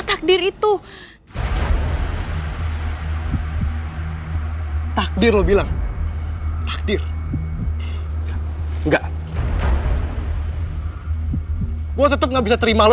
yang paling banyak diketahui oleh aspek penyelamat